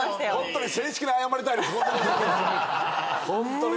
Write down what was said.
ホントね。